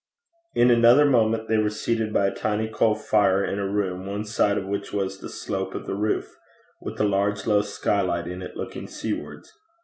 In another moment they were seated by a tiny coal fire in a room one side of which was the slope of the roof, with a large, low skylight in it looking seawards.